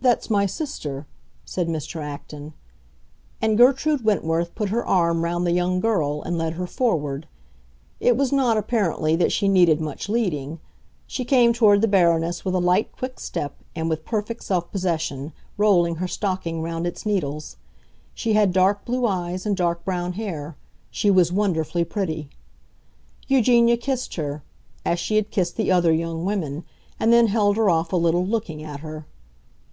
"That's my sister," said Mr. Acton. And Gertrude Wentworth put her arm round the young girl and led her forward. It was not, apparently, that she needed much leading. She came toward the Baroness with a light, quick step, and with perfect self possession, rolling her stocking round its needles. She had dark blue eyes and dark brown hair; she was wonderfully pretty. Eugenia kissed her, as she had kissed the other young women, and then held her off a little, looking at her.